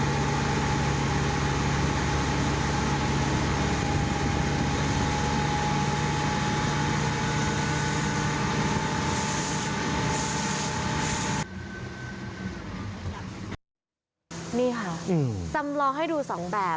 นี่ค่ะจำลองให้ดู๒แบบ